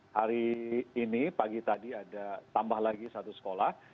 hari ini pagi tadi ada tambah lagi satu sekolah